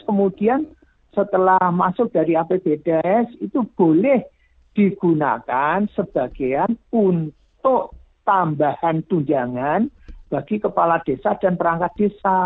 kemudian setelah masuk dari apbds itu boleh digunakan sebagian untuk tambahan tunjangan bagi kepala desa dan perangkat desa